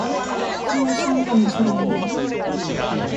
ショーシャンクの空に